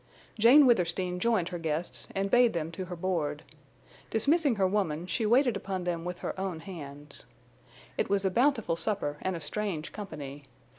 Jane Withersteen joined her guests and bade them to her board. Dismissing her woman, she waited upon them with her own hands. It was a bountiful supper and a strange company.